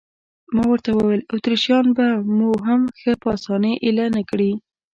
ما ورته وویل: اتریشیان به مو هم ښه په اسانۍ اېله نه کړي.